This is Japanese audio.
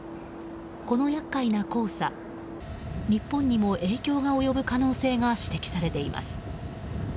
この厄介な黄砂日本にも影響が及ぶ可能性が指摘されています。